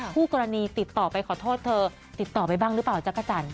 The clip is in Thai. คู่กรณีติดต่อไปขอโทษเธอติดต่อไปบ้างหรือเปล่าจักรจันท